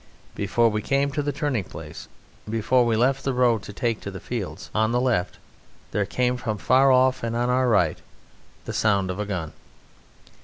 Before we came to the turning place, before we left the road to take the fields on the left, there came from far off and on our right the sound of a gun.